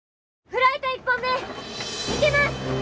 フライト１本目いきます！